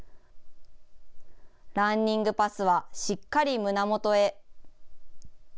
ランニングパスはしっかり胸元へ。